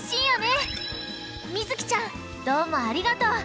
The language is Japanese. みずきちゃんどうもありがとう！